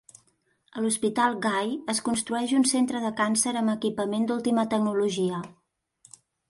A l'Hospital Guy es construeix un centre de càncer amb equipament d'última tecnologia.